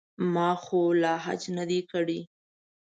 ما خو لا حج نه دی کړی.